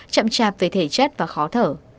chậm chạp với thể chất và khó thở